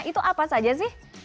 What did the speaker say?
itu apa saja sih